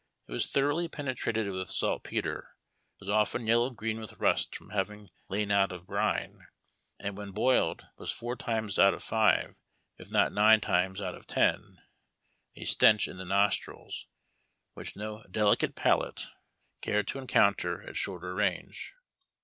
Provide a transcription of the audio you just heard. It was thoroughly penetrated with saltpetre, was often yellow green with rust from having lain out of brine, and, when boiled, was four times out of five if not nine times out of ten a stench in the nostrils, wliich no delicate palate cared ARMY RATIONS. 135 to encounter at slnn'ter range.